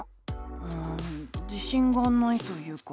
うん自しんがないというか。